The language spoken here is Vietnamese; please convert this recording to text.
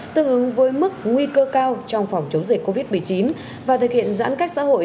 tương ứng với mức nguy cơ cao trong phòng chống dịch covid một mươi chín và thực hiện giãn cách xã hội